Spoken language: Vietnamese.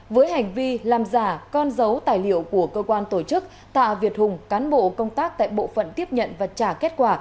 với hành vi làm giả con dấu tài liệu của cơ quan tổ chức tạ việt hùng cán bộ công tác tại bộ phận tiếp nhận và trả kết quả